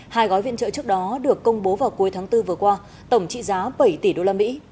hai gói viện trợ trước đó được công bố vào cuối tháng bốn vừa qua tổng trị giá bảy tỷ đô la mỹ